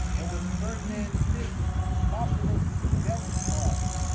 There was Ferdinand Fitz Fossillus Feltspar.